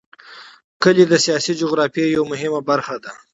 کلي د سیاسي جغرافیه یوه مهمه برخه ده.